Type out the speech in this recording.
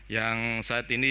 yang saat ini